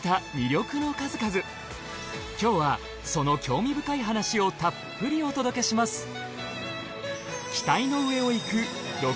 今日はその興味深い話をたっぷりお届けします。